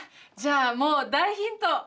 じゃあもう大ヒント！